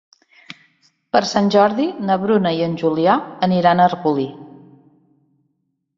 Per Sant Jordi na Bruna i en Julià aniran a Arbolí.